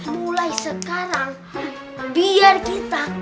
mulai sekarang biar kita